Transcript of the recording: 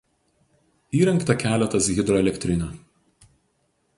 Įrengta keletas hidroelektrinių.